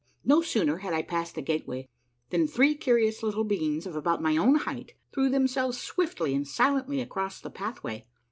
No sooner had I passed the gateway than three curious little beings of about my own height threw themselves swiftly and silently across the pathway.